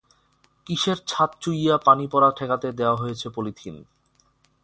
কিসের ছাদ চুইয়ে পানি পড়া ঠেকাতে দেওয়া হয়েছে পলিথিন?